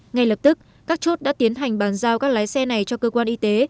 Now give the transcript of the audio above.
ngay lập tức các chốt đã tiến hành bàn giao các lái xe này cho cơ quan y tế